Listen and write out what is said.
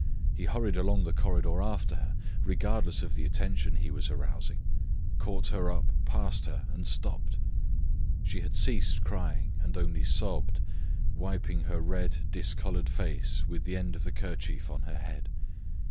He hurried along the corridor after her, regardless of the attention he was arousing, caught her up, passed her, and stopped. She had ceased crying and only sobbed, wiping her red, discoloured face with the end of the kerchief on her head.